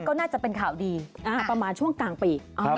ก็น่าจะเป็นข่าวดีประมาณช่วงกลางปี